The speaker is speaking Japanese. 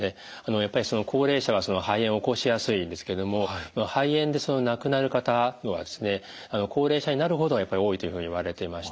やっぱり高齢者は肺炎を起こしやすいですけども肺炎で亡くなる方は高齢者になるほどやっぱり多いというふうにいわれていまして。